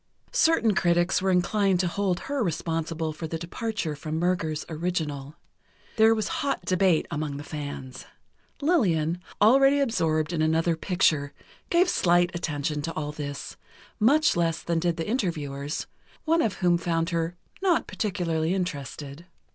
Certain critics were inclined to hold her responsible for the departure from Murger's original. There was hot debate among the fans. Lillian, already absorbed in another picture, gave slight attention to all this; much less than did the interviewers, one of whom found her "not particularly interested."